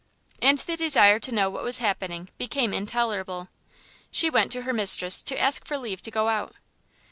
And the desire to know what was happening became intolerable. She went to her mistress to ask for leave to go out.